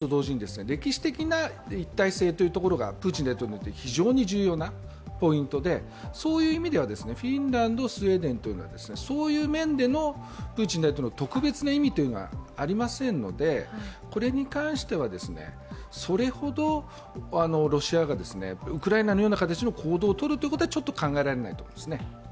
プーチン大統領にとってはやはり歴史的な問題安全保障と同時に歴史的な一体性というのがプーチン大統領にとって非常に重要なポイントでそういう意味では、フィンランド、スウェーデンというのはそういう面でのプーチン大統領の特別な意味というのはありませんので、これに関しては、それほどロシア側はウクライナに行動をとるということはちょっと考えられないと思います。